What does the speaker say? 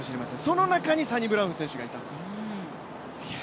その中にサニブラウン選手がいたと。